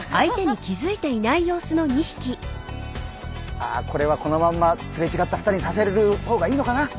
あこれはこのまんますれ違った２人にさせる方がいいのかな。